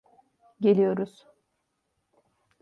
Geliyoruz.